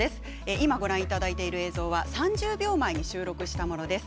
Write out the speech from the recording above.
今、ご覧いただいている映像は３０秒前に収録したものです。